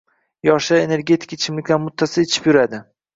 yoshlar energetik ichimlikni muttasil ichib yuradi